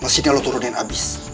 mesinnya lo turunin abis